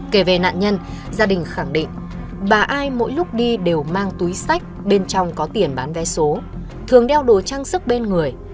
kể về nạn nhân gia đình khẳng định bà ai mỗi lúc đi đều mang túi sách bên trong có tiền bán vé số thường đeo đồ trang sức bên người